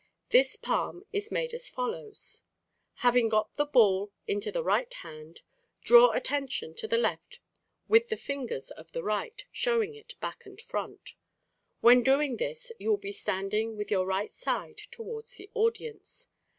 This palm is made as follows: Having got the ball into the right hand, draw attention to the left with the fingers of the right, showing it back and front. When doing this you will be standing with your right side towards the audience.